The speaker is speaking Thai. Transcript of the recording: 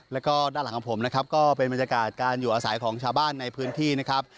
แล้วก็ด้านหลังของผมนะครับก็เป็นบรรยากาศการอยู่อาศัยของชาวบ้านในพื้นที่นะครับ